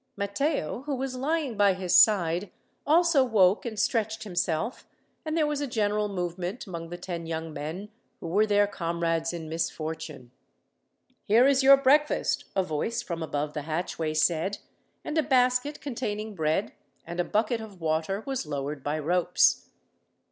Matteo, who was lying by his side, also woke and stretched himself, and there was a general movement among the ten young men who were their comrades in misfortune. "Here is your breakfast," a voice from above the hatchway said, and a basket containing bread and a bucket of water was lowered by ropes.